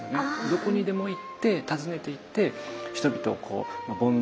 どこにでも行って訪ねていって人々をこう煩悩をですね